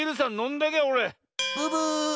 ブブーッ！